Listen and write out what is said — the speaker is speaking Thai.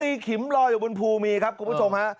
ขิมลอยอยู่บนภูมีครับคุณผู้ชมฮะ